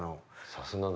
さすがだ。